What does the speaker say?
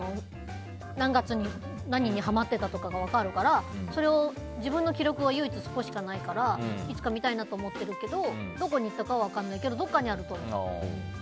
何月に何にはまってたとか分かるから自分の記録はそこにしかないからいつか見たいなと思ってるけどどこにいったかは分からないけど菊地はどうですか。